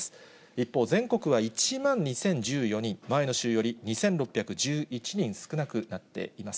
一方、全国は１万２０１４人、前の週より２６１１人少なくなっています。